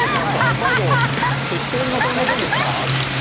最後、適当にまとめませんでした？